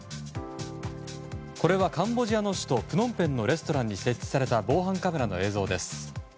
これはカンボジアの首都プノンペンのレストランに設置された防犯カメラの映像です。